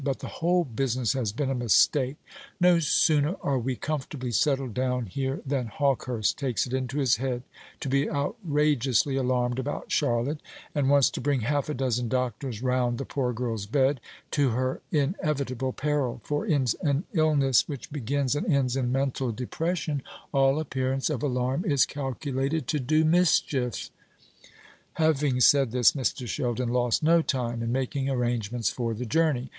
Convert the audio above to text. "But the whole business has been a mistake. No sooner are we comfortably settled down here, than Hawkehurst takes it into his head to be outrageously alarmed about Charlotte, and wants to bring half a dozen doctors round the poor girl's bed, to her inevitable peril; for in an illness which begins and ends in mental depression, all appearance of alarm is calculated to do mischief." Having said this, Mr. Sheldon lost no time in making arrangements for the journey.